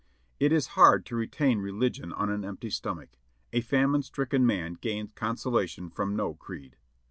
It is hard to retain religion on an empty stomach; a famine stricken man gains consolation from no creed.